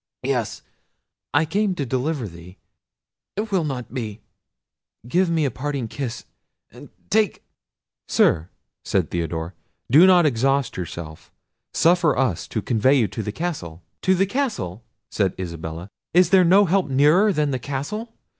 Yes, I came to deliver thee. It will not be. Give me a parting kiss, and take—" "Sir," said Theodore, "do not exhaust yourself; suffer us to convey you to the castle." "To the castle!" said Isabella. "Is there no help nearer than the castle?